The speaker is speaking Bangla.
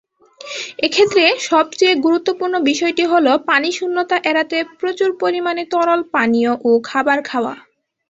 এক্ষেত্রে সবচেয়ে গুরুত্বপূর্ণ বিষয়টি হলো পানিশূণ্যতা এড়াতে প্রচুর পরিমাণে তরল পানীয় ও খাবার খাওয়া।